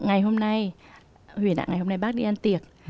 ngày hôm nay huyền ạ ngày hôm nay bác đi ăn tiệc